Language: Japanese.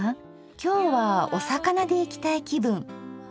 今日はお魚でいきたい気分。